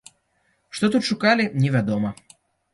Што тут шукалі, невядома.